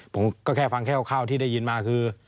ผมก็แค่ฟังแค่คร่าวที่ได้ยินมาคือ